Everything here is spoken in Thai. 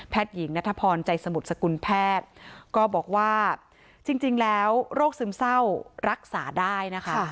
หญิงนัทพรใจสมุทรสกุลแพทย์ก็บอกว่าจริงแล้วโรคซึมเศร้ารักษาได้นะคะ